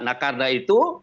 nah karena itu